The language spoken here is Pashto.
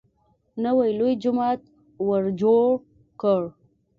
نوی لوی جومات ورجوړ کړ.